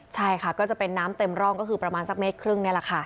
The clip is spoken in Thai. ใช่ค่ะก็จะเป็นน้ำเต็มร่องก็คือประมาณสักเมตรครึ่งนี่แหละค่ะ